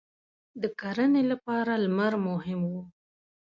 • د کرنې لپاره لمر مهم و.